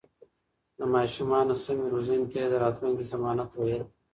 د ماشومانو سمې روزنې ته يې د راتلونکي ضمانت ويل.